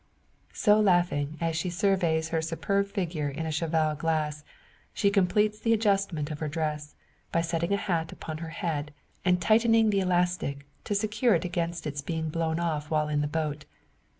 Ha, ha, ha!" So laughing, as she surveys her superb figure in a cheval glass, she completes the adjustment of her dress, by setting a hat upon her head, and tightening the elastic, to secure against its being blown off while in the boat.